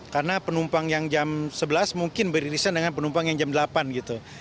karena penumpang yang jam sebelas mungkin beririsan dengan penumpang yang jam delapan gitu